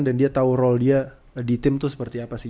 dan dia tau role dia di tim tuh seperti apa sih